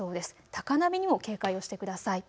高波にも警戒をしてください。